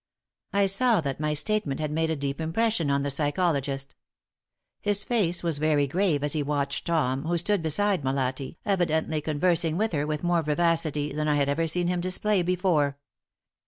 '" I saw that my statement had made a deep impression on the psychologist. His face was very grave as he watched Tom, who stood beside Molatti, evidently conversing with her with more vivacity than I had ever seen him display before.